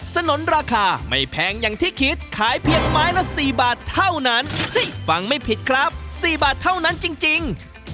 สนุนราคาไม่แพงอย่างที่คิดขายเพียงไม้ละ๔บาทเท่านั้นฟังไม่ผิดครับ๔บาทเท่านั้นจริง